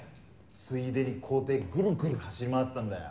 ついでに校庭ぐるぐる走り回ったんだよ。